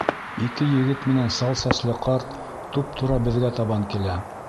Ике егет менән сал сәсле ҡарт туп-тура беҙгә табан килә.